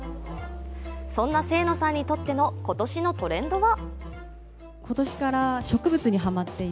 そんな清野さんにとっての今年のトレンドは？